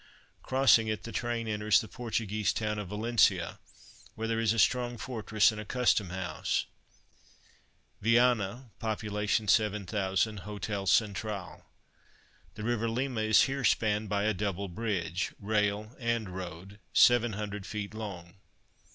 Crossing it the train enters the Portuguese town of VALENÇA, where there is a strong fortress and a custom house. VIANNA (pop. 7000; hotel, Central). The river Lima is here spanned by a double bridge (rail and road) 700 ft. long.